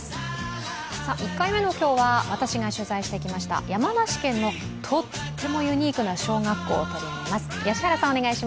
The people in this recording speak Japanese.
１回目の今日は私が取材してきました山梨県のとってもユニークな小学校を取り上げます。